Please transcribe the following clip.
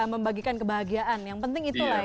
membagikan kebahagiaan yang penting itulah ya